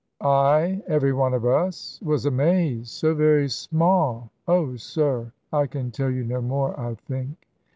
"I every one of us was amazed so very small Oh, sir, I can tell you no more, I think."